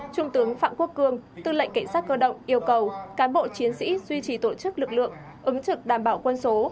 trung tướng phạm quốc cường tư lệnh cảnh sát cơ động yêu cầu cán bộ chiến sĩ duy trì tổ chức lực lượng ứng trực đảm bảo quân số